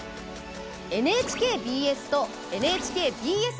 ＮＨＫＢＳとＮＨＫＢＳ